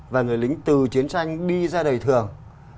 và người lính từ chiến tranh đi ra đời thường